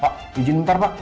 pak izin minta pak